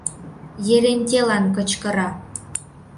— Ерентелан кычкыра.